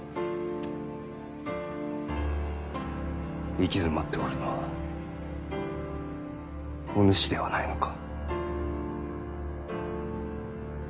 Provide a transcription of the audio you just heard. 行き詰まっておるのはお主ではないのか？